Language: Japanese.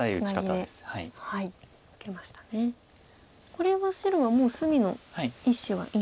これは白はもう隅の１子はいい。